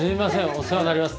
お世話になります。